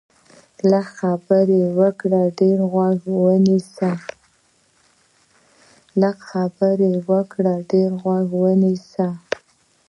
لږې خبرې وکړه، ډېر غوږ ونیسه